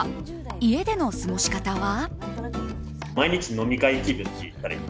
家での過ごし方は？